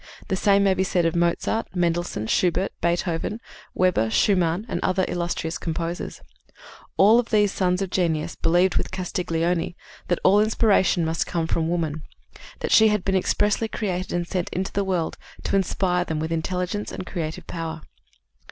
The same may be said of Mozart, Mendelssohn, Schubert, Beethoven, Weber, Schumann and other illustrious composers. All these sons of genius believed with Castiglione that "all inspiration must come from woman;" that she had been expressly created and sent into the world to inspire them with intelligence and creative power.